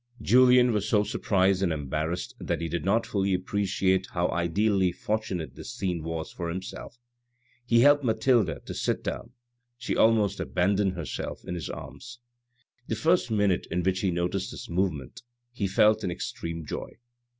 Julien was so surprised and embarrassed that he did not fully appreciate how ideally fortunate this scene was for himself. He helped Mathilde to sit down ; she almost abandoned herself in his arms. The first minute in which he noticed this movement, he felt an extreme joy.